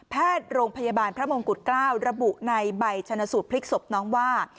แพทย์โรงพยาบาลพระมงกุฎเกล้าระบุในใบชนสูตรพลิกศพน้องว่า